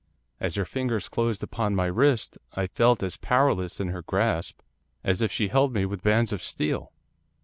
As her fingers closed upon my wrist, I felt as powerless in her grasp as if she held me with bands of steel.